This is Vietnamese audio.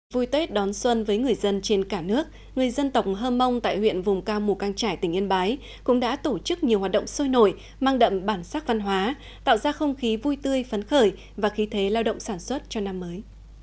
vui tết đón xuân với người dân trên cả nước người dân tộc hơm mông tại huyện vùng cao mù căng trải tỉnh yên bái cũng đã tổ chức nhiều hoạt động sôi nổi mang đậm bản sắc văn hóa tạo ra không khí vui tươi phấn khởi và khí thế lao động sản xuất cho năm mới